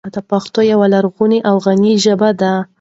پښتو یوه لرغونې او غني ژبه ده.